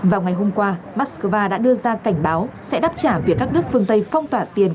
vào ngày hôm qua moscow đã đưa ra cảnh báo sẽ đáp trả việc các nước phương tây phong tỏa tiền